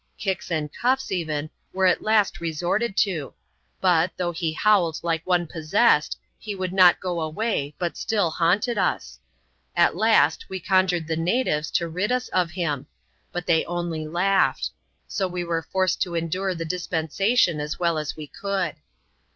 Kicks and cuffs, even, were at last resorted to; but, though he howled like one possessed, he would not go away, but still haunted us, At last, we conjured the natives to rid us of him; but they only laughed ; so we were forced to endure the dispensation as well as we could.